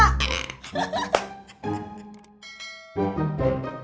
tunjuk jamu biji pada walaikum